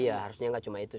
iya harusnya nggak cuma itu